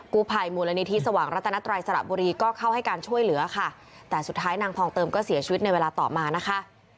กู้ภัยมูลนิธิสว่างรัตนัตรัยสระบุรีก็เข้าให้การช่วยเหลือค่ะแต่สุดท้ายนางพองเติมก็เสียชีวิตในเวลาต่อมานะคะ